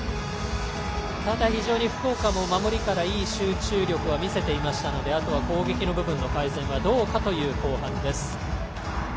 非常に福岡も守りからいい集中力を見せていましたのであとは攻撃の部分の改善はどうかという後半です。